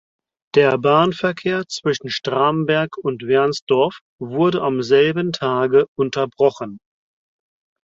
Der Bahnverkehr zwischen Stramberg und Wernsdorf wurde am selben Tage unterbrochen.